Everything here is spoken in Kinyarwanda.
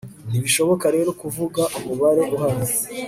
ntibishoboka rero kuvuga umubare uhari